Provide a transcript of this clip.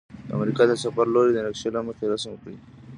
د امریکا د سفر لوري د نقشي له مخې رسم کړئ.